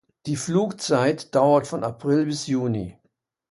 Die Flugzeit dauert von April bis Juni.